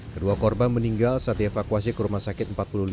kedua korban meninggal saat dievakuasi ke rumah sakit empat puluh lima